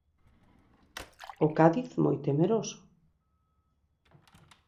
O Cádiz moi temeroso.